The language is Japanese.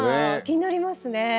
気になりますね。